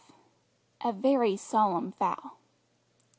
V "A VERY SOLEMN VOW!"